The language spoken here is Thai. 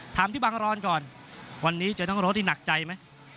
ที่บางรอนก่อนวันนี้เจอน้องรถนี่หนักใจไหม